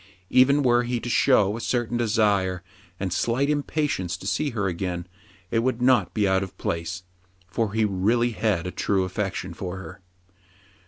Even were he to show a .certain desire and slight impatience to see her again, it would not be out of place ; for he really had a true affec tion for her.